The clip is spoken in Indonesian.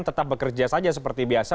tetap bekerja saja seperti biasa